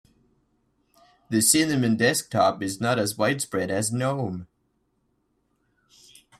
The cinnamon desktop is not as widespread as gnome.